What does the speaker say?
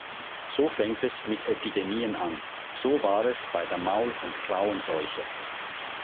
So fängt es mit Epidemien an, so war es bei der Maul- und Klauenseuche.